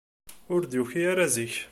Ur d-yuki ara zik.